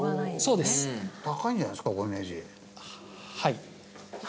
はい。